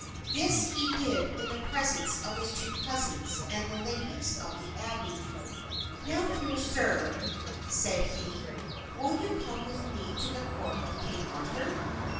This he did in the presence of his two cousins and the ladies of the abbey. "Now, fair sir," said he, "will you come with me to the court of King Arthur?"